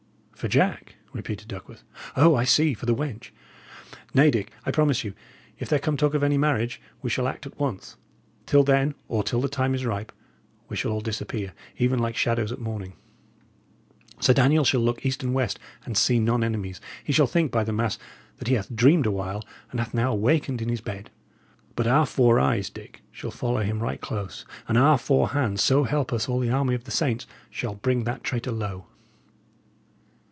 "For Jack!" repeated Duckworth. "O, I see, for the wench! Nay, Dick, I promise you, if there come talk of any marriage we shall act at once; till then, or till the time is ripe, we shall all disappear, even like shadows at morning; Sir Daniel shall look east and west, and see none enemies; he shall think, by the mass, that he hath dreamed awhile, and hath now awakened in his bed. But our four eyes, Dick, shall follow him right close, and our four hands so help us all the army of the saints! shall bring that traitor low!"